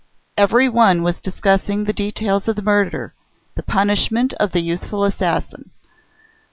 Every one was discussing the details of the murder, the punishment of the youthful assassin.